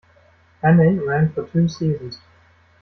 "Hannay" ran for two seasons.